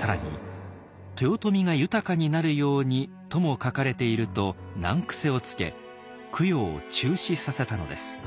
更に「豊臣が豊かになるように」とも書かれていると難癖をつけ供養を中止させたのです。